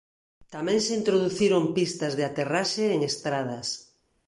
Tamén se introduciron pistas de aterraxe en estradas.